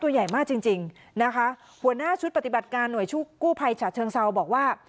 ใหญ่มากจริงจริงนะคะหัวหน้าชุดปฏิบัติการหน่วยกู้ภัยฉะเชิงเซาบอกว่า